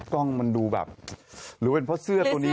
กล้องมันดูแบบหรือเป็นเพราะเสื้อตัวนี้